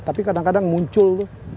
tapi saya kadang kadang muncul tuh